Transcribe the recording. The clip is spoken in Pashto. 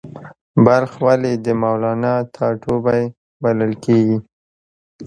بلخ ولې د مولانا ټاټوبی بلل کیږي؟